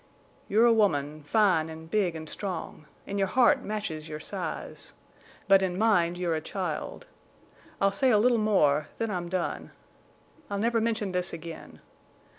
"You are a woman, fine en' big an' strong, an' your heart matches your size. But in mind you're a child. I'll say a little more—then I'm done. I'll never mention this again.